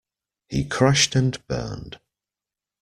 He crashed and burned